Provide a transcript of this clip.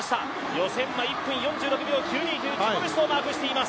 予選は１分４６秒９２という自己ベストをマークしています。